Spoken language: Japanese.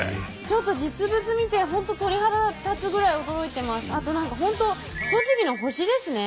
ちょっと実物見て本当鳥肌立つぐらい驚いてます。